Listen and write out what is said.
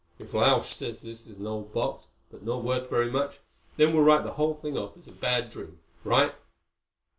"If Lausch says this is an old box, but not worth very much, then we'll write the whole thing off as a bad dream. Right?"